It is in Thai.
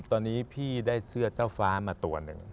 ตอนนี้พี่ได้เสื้อเจ้าฟ้ามาตัวหนึ่ง